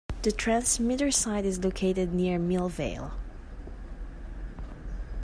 The transmitter site is located near Millvale.